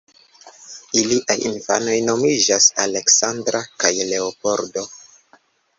Iliaj infanoj nomiĝas Aleksandra kaj Leopoldo.